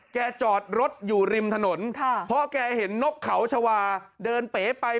แกจอดรถอยู่ริมถนนพอแกเห็นนกเขาชาวาเดินเปะไป